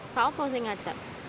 saat apa sih ngajak